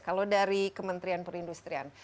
kalau dari kementerian perindustrian